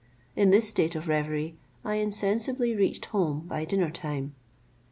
In this state of reverie I insensibly reached home by dinner time.